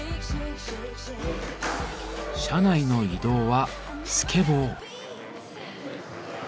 車内の移動はスケボー。